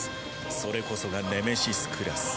それこそがネメシスクラス。